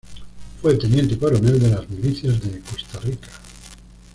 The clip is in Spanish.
Fue teniente coronel de las milicias de Costa Rica.